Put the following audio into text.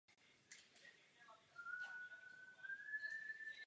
S operou absolvoval množství zahraničních zájezdů.